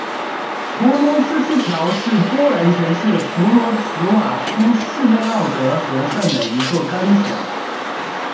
图蒙斯基桥是波兰城市弗罗茨瓦夫市内奥德河上的一座钢桥。